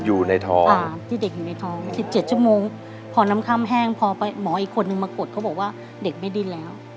อยู่ในท้อง๑๗ชั่วโมงพอน้ำค่ำแห้งพอหมออีกคนนึงมากดเขาบอกว่าเด็กไม่ดีแล้ว